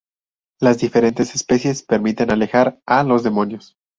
Las diferentes especies permiten alejar a los demonios.